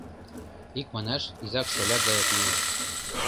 Икманаш, изак-шоляк гаяк лийыч.